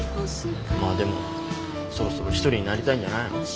まあでもそろそろ一人になりたいんじゃないの？